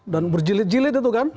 dan berjilid jilid itu kan